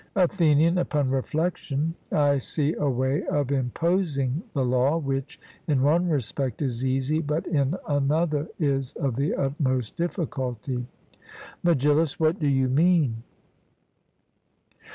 ATHENIAN: Upon reflection I see a way of imposing the law, which, in one respect, is easy, but, in another, is of the utmost difficulty. MEGILLUS: What do you mean?